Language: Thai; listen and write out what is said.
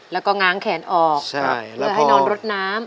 แล้วก็ง้างแขนออกเพื่อให้นอนรถน้ำ